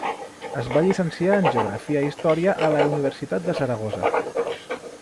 Es va llicenciar en Geografia i Història a la Universitat de Saragossa.